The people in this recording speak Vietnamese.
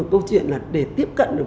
câu chuyện là để tiếp cận được